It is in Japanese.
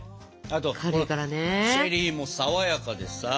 あとチェリーも爽やかでさ。